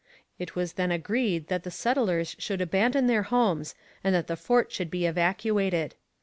It was then agreed that the settlers should abandon their homes and that the fort should be evacuated.